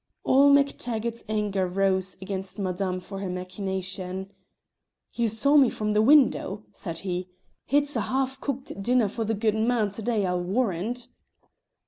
All MacTaggart's anger rose against madame for her machination. "You saw me from the window," said he; "it's a half cooked dinner for the goodman to day, I'll warrant!"